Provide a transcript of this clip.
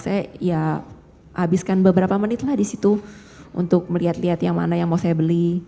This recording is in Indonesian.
saya ya habiskan beberapa menit lah di situ untuk melihat lihat yang mana yang mau saya beli